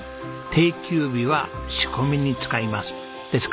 定休日は仕込みに使います。